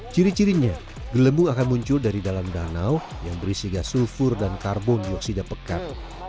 ciri cirinya gelembung akan muncul dari dalam danau yang berisi gasulfur dan karbon dioksida pekat